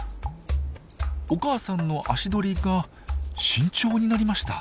お母さんの足取りが慎重になりました。